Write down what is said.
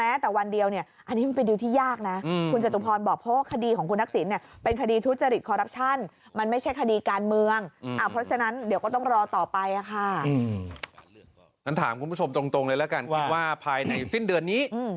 ฉันถามคุณผู้ชมตรงเลยแล้วกันว่าภายในสิ้นเดือนนี้